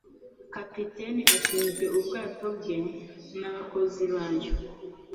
Kapiteni ashinzwe ubwato bwe nabakozi bayo. .